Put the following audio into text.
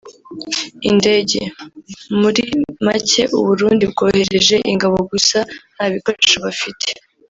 indege…) muri make u Burundi bwohereje ingabo gusa ntabikoresho bafite